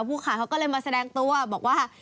ขายเขาก็เลยมาแสดงตัวบอกว่า